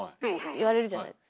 言われるじゃないですか。